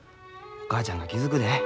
お母ちゃんが気付くで。